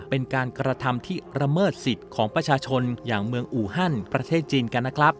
เป็นการกระทำที่ระเมิดสิทธิ์ของประชาชนอย่างเมืองอูฮันประเทศจีนกันนะครับ